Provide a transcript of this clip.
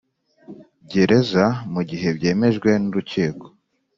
Gereza mu gihe byemejwe n urukiko